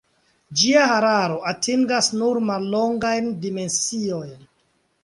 Ĝia hararo atingas nur mallongajn dimensiojn.